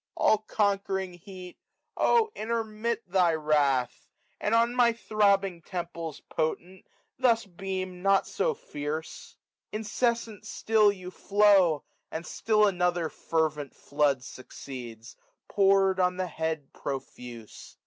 45a All conquerikg Heat ! oh intermit thy wrath y And on my throbbing temples potent thus Beam not so fierce. Incessant sdll you flow. And still another fervent flood succeeds, Pour'd on the head profuse.